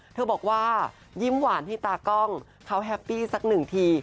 เธอบอกว่ายิ้มหวานให้ตากล้องเขาแฮปปี้สักหนึ่งที